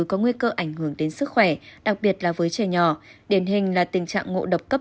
có nguy cơ ảnh hưởng đến sức khỏe đặc biệt là với trẻ nhỏ